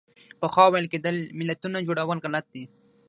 پخوا ویل کېدل ملتونو جوړول غلط دي.